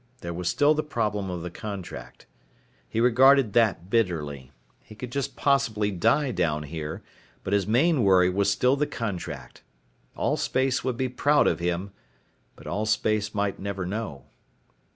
There was still the problem of the contract. He regarded that bitterly. He could just possibly die down here, but his main worry was still the contract. Allspace would be proud of him but Allspace might never know.